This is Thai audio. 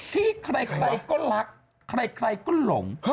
ที่ใครก็รักใครก็หลง